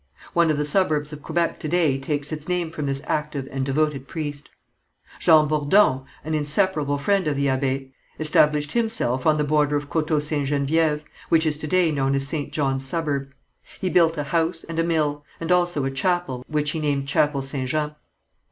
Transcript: One of the suburbs of Quebec to day takes its name from this active and devoted priest. Jean Bourdon, an inseparable friend of the abbé, established himself on the borders of Côteau Ste. Geneviève, which is to day known as St. John's suburb. He built a house and a mill, and also a chapel, which he named Chapel St. Jean.